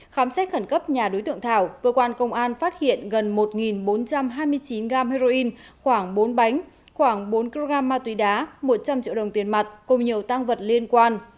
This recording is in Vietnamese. khám xét khẩn cấp nhà đối tượng thảo cơ quan công an phát hiện gần một bốn trăm hai mươi chín gam heroin khoảng bốn bánh khoảng bốn kg ma túy đá một trăm linh triệu đồng tiền mặt cùng nhiều tăng vật liên quan